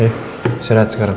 ayo siadat sekarang